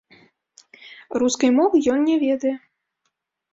Рускай мовы ён не ведае.